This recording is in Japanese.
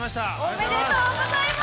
おめでとうございます！